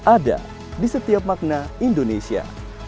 ada di setiap makna indonesia